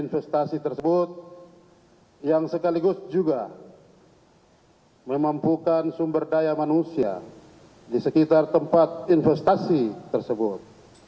investasi tersebut yang sekaligus juga memampukan sumber daya manusia di sekitar tempat investasi tersebut